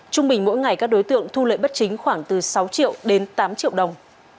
trung bình mỗi ngày các đối tượng thu lợi bất chính khoảng từ sáu triệu đến tám triệu đồng